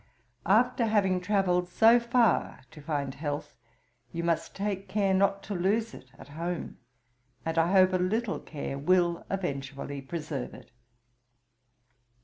After having travelled so far to find health, you must take care not to lose it at home; and I hope a little care will effectually preserve it.